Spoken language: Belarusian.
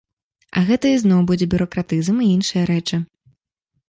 А гэта ізноў будзе бюракратызм і іншыя рэчы.